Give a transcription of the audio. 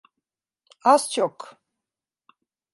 Az çok.